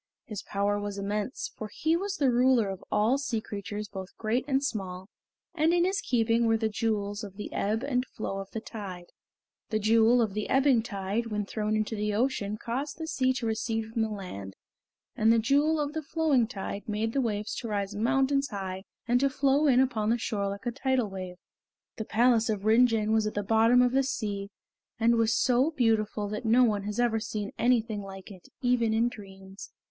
His power was immense, for he was the ruler of all sea creatures both great and small, and in his keeping were the Jewels of the Ebb and Flow of the Tide. The Jewel of the Ebbing Tide when thrown into the ocean caused the sea to recede from the land, and the Jewel of the Flowing Tide made the waves to rise mountains high and to flow in upon the shore like a tidal wave. The palace of Rin Jin was at the bottom of the sea, and was so beautiful that no one has ever seen anything like it even in dreams.